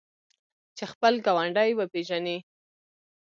چې خپل ګاونډی وپیژني.